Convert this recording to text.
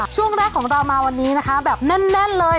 ช่วงแรกของเรามาวันนี้นะคะแบบแน่นเลย